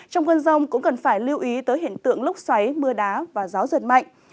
trong cơn rông cũng cần phải lưu ý tới hiện tượng lúc xoáy mưa đá và gió giật mạnh